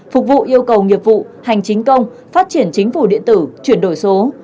phục vụ yêu cầu nghiệp vụ hành chính công phát triển chính phủ điện tử chuyển đổi số